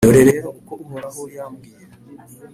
Dore rero uko Uhoraho yambwiye: